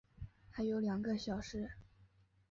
还有两个小时